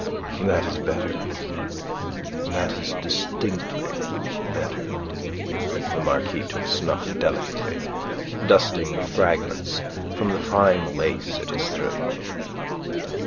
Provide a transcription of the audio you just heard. "That is better. That is distinctly better." The Marquis took snuff delicately, dusting the fragments from the fine lace at his throat.